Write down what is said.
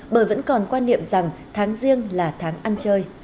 bởi vẫn còn quan niệm rằng tháng riêng là tháng ăn chơi